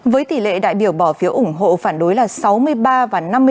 với tỷ lệ đại biểu bỏ phiếu ủng hộ phản đối là sáu mươi ba và năm mươi bốn